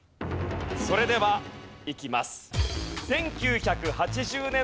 それではいきます。